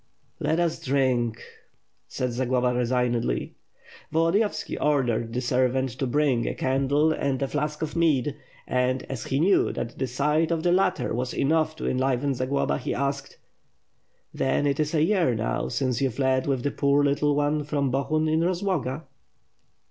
"Let us drink," said Zagloba resignedly. Volodiyovski ordered the servant to bring a candle and a flask of mead and, as he knew that the sight of the latter was enough to enliven Zagloba, he asked: "Then it is a year now since you fled with the poor little one from Bohun in Rozloga?"